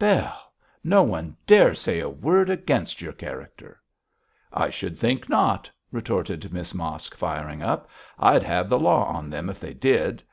'Bell! no one dare say a word against your character.' 'I should think not,' retorted Miss Mosk, firing up. 'I'd have the law on them if they did.